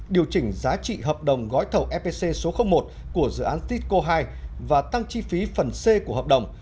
điều chỉnh giá trị hợp đồng gói thầu fpc số một của dự án tisco hai và tăng chi phí phần c của hợp đồng